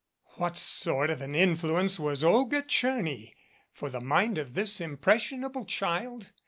What sort of an influence was Olga Tcherny for the mind of this impressionable child?